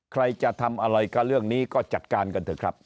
ใครจะทำอะไรกับเรื่องนี้ก็จัดการกันเถอะครับ